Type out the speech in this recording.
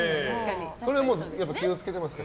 これは気を付けてますか？